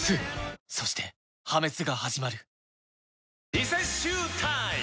リセッシュータイム！